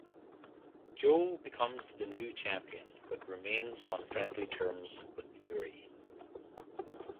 Joe becomes the new champion but remains on friendly terms with Yuri.